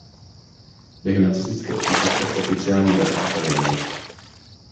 Během nacistické okupace oficiálně vedla ateliér.